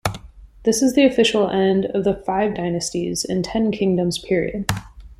This is the official end of the Five Dynasties and Ten Kingdoms period.